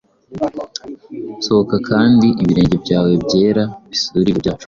sohoka, Kandi ibirenge byawe byera bisure ibihe byacu.